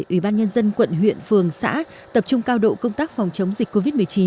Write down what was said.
ubnd quận huyện phường xã tập trung cao độ công tác phòng chống dịch covid một mươi chín